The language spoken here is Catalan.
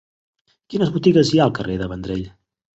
Quines botigues hi ha al carrer de Vendrell?